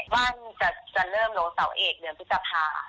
ว่างจากจะเริ่มโล่เฝรต่อเอกเดือนพฤภา